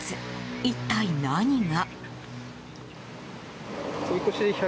一体、何が？